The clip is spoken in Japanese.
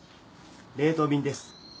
冷凍便です。